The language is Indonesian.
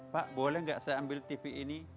pak boleh nggak saya ambil tv ini